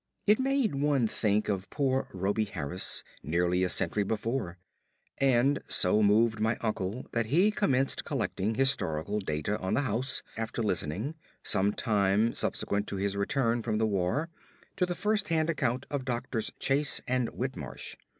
It made one think of poor Rhoby Harris nearly a century before, and so moved my uncle that he commenced collecting historical data on the house after listening, some time subsequent to his return from the war, to the first hand account of Doctors Chase and Whitmarsh.